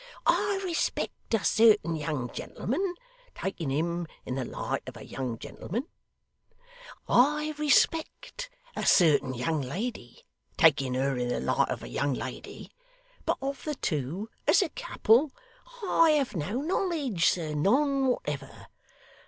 I respect a certain young gentleman, taking him in the light of a young gentleman; I respect a certain young lady, taking her in the light of a young lady; but of the two as a couple, I have no knowledge, sir, none whatever.